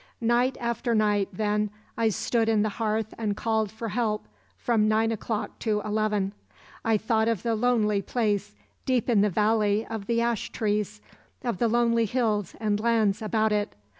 Night after night, then, I stood in the hearth and called for help from nine o'clock to eleven. I thought of the lonely place, deep in the valley of the ashtrees, of the lonely hills and lands about it.